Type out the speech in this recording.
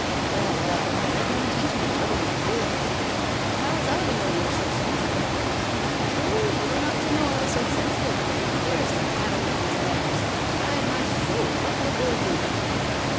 'Well, well, I had no intention of hurting your feelings but how was I to know you were so sensitive?' 'True you were not to know I was so sensitive. Here's a caddle wi' these letters! Guide my soul, what will Billy do!